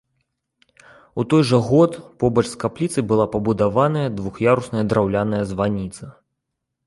У той жа год, побач з капліцай была пабудаваная двух'ярусная драўляная званіца.